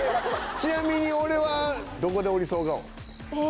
ちなみに俺はどこで降りそう顔？え。